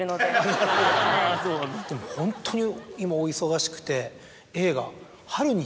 でもホントに今お忙しくて。